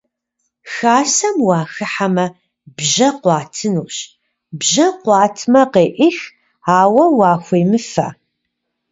Хасэм уахыхьэмэ, бжьэ къуатынущ; бжьэ къуатмэ, къеӏых, ауэ уахуемыфэ.